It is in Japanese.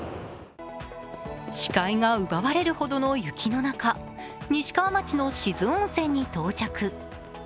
視界が奪われるほどの雪の中、西川町の志津温泉に到着。